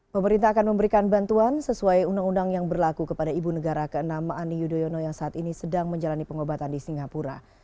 pemerintah akan memberikan bantuan sesuai undang undang yang berlaku kepada ibu negara ke enam ani yudhoyono yang saat ini sedang menjalani pengobatan di singapura